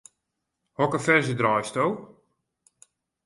Hokker ferzje draaisto?